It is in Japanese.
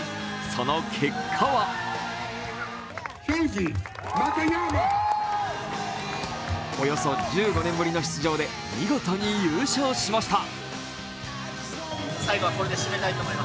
その結果はおよそ１５年ぶりの出場で見事に優勝しました。